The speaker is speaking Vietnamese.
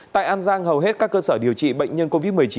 tại an giang hầu hết các cơ sở điều trị bệnh nhân covid một mươi chín